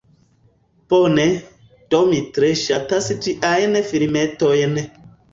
Bone, do mi tre ŝatas tiajn filmetojn